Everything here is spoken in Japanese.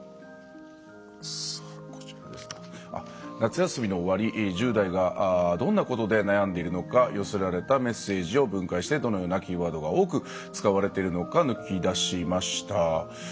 夏休みの終わり１０代がどんなことで悩んでいるのか寄せられたメッセージを分解してどのようなキーワードが多く使われているのか抜き出しました。